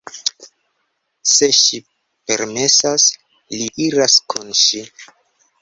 Se ŝi permesas, li iras kun ŝi.